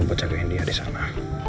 mau jagain dia disana